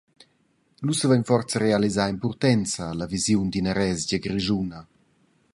Lu savein nus forsa realisar en Purtenza la visiun d’ina resgia grischuna.»